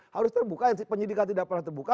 harus terbuka penyelidikan tidak pernah terbuka